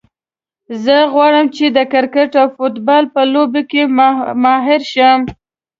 زه غواړم چې د کرکټ او فوټبال په لوبو کې ماهر شم